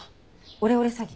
オレオレ詐欺？